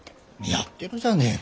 やってるじゃねえか。